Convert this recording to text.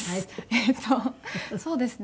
えっとそうですね。